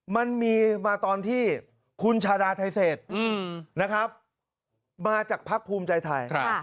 มันมีมาตอนที่คุณชาดาไทยเศษนะครับมาจากพรรคภูมิใจไทยครับ